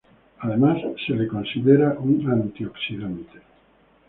Además es considerado un Antioxidante.